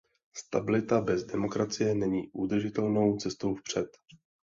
Stabilita bez demokracie není udržitelnou cestou vpřed.